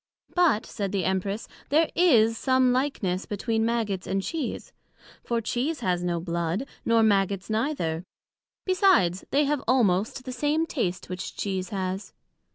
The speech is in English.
But said the Empress, there is some likeness between Maggots and Cheese; for Cheese has no blood, nor Maggots neither; besides, they have almost the same taste which Cheese has.